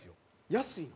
安いの？